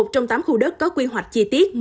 một trong tám khu đất có quy hoạch chi tiết